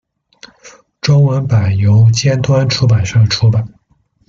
中文版由尖端出版社出版。